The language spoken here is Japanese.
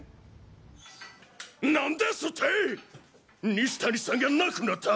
西谷さんが亡くなった！？